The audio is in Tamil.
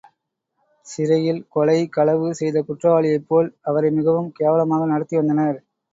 சிறையில் கொலை, களவு செய்த குற்றவாளியைப் போல் அவரை மிகவும் கேவலமாக நடத்தி வந்தனர்.